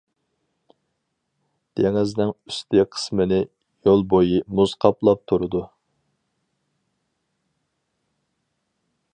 دېڭىزنىڭ ئۈستى قىسمىنى يىل بويى مۇز قاپلاپ تۇرىدۇ.